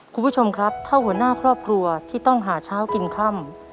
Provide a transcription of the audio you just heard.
คุณผู้ชมครับถ้าหัวหน้าครอบครัวที่ต้องหาเช้ากินค่ำ